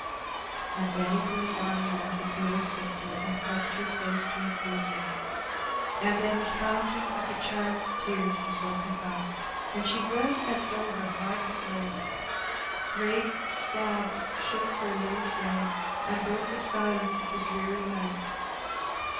'' And Benny put his arm around his little sister, and Addleb's Hall. 21 pressed her face to his bosom. And then the foantam of the child's tears was broken up, and she wept as though her heart would break. Great sobs shook her httle frame, and broke the silence of the dreary night.